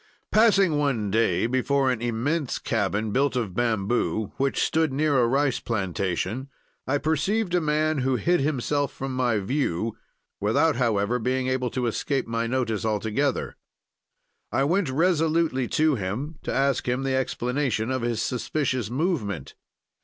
"Passing one day before an immense cabin, built of bamboo, which stood near a rice plantation, I perceived a man who hid himself from my view, without however being able to escape my notice altogether. I went resolutely to him, to ask him the explanation of his suspicious movement.